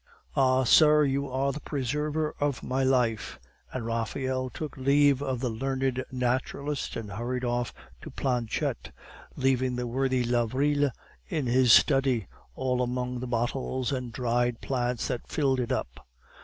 "Ah, sir, you are the preserver of my life," and Raphael took leave of the learned naturalist and hurried off to Planchette, leaving the worthy Lavrille in his study, all among the bottles and dried plants that filled it up.